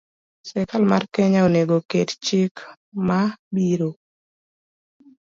Sirkal mar Kenya onego oket chik ma biro